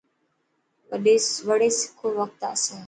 وڙي سکو وقت آسي.